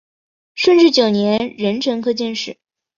顺治九年壬辰科进士。